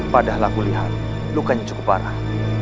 padahal lagu lihat lukanya cukup parah